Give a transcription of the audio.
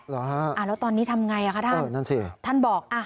หรอฮะอ่ะแล้วตอนนี้ทำอย่างไรคะท่านท่านบอกอ่ะ